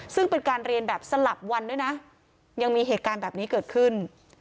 ซึ่งเป็นการเรียนแบบสลับวันด้วยนะยังมีเหตุการณ์แบบนี้เกิดขึ้น